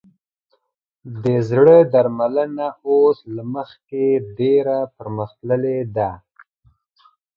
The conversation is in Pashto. د زړه درملنه اوس له مخکې ډېره پرمختللې ده.